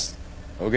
ＯＫ。